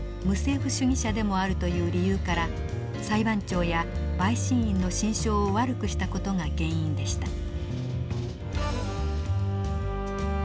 無政府主義者でもあるという理由から裁判長や陪審員の心証を悪くした事が原因でした。